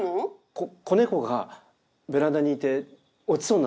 こ子猫がベランダにいて落ちそうになって。